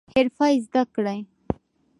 حرفه زده کړئ